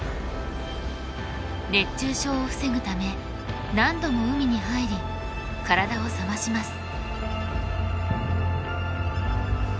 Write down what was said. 熱中症を防ぐため何度も海に入り体を冷まします。